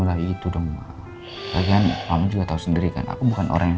ya itu waktu itu dikawan aku yuween